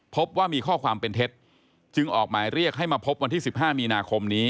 พบว่ามีข้อความเป็นเท็จจึงออกหมายเรียกให้มาพบวันที่๑๕มีนาคมนี้